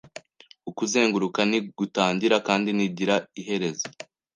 Ukuzenguruka ntigutangira kandi ntigira iherezo